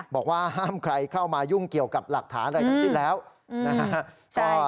บอกว่าห้ามใครเข้ามายุ่งเกี่ยวกับหลักฐานอะไรทั้งสิ้นแล้วนะฮะ